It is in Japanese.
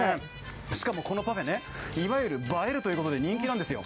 しかもこのパフェ、いわゆる映えるということで人気なんですよ。